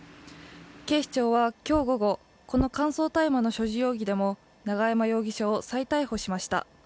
警視庁は今日午後、この乾燥大麻の所持容疑でも永山容疑者を再逮捕しました。